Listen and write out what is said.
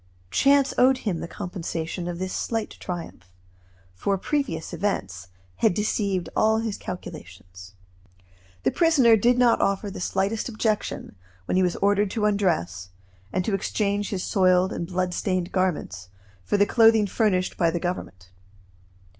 Chance owed him the compensation of this slight triumph; for previous events had deceived all his calculations. The prisoner did not offer the slightest objection when he was ordered to undress, and to exchange his soiled and bloodstained garments for the clothing furnished by the Government.